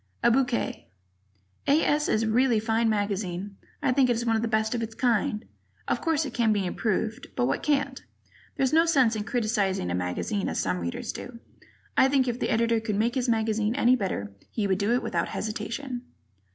A bouquet: A. S. is a really fine magazine. I think it's one of the best of its kind. Of course, it can be improved but what can't? There's no sense in criticizing a magazine as some Readers do. I think if the Editor could make his magazine any better, he would do it without hesitation.